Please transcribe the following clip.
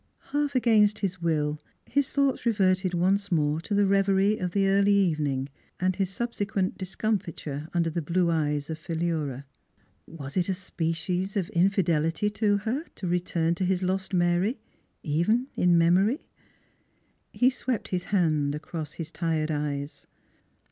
Half against his will, his thoughts reverted once more to the revery of the early evening and his subsequent discomfiture under the blue eyes of Philura. Was it a species of infidelity to her to return to his lost Mary even in memory? He swept his hand across his tired eyes.